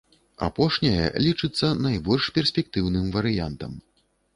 Апошняя лічыцца найбольш перспектыўным варыянтам.